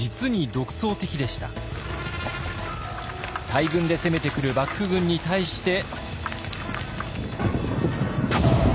大軍で攻めてくる幕府軍に対して。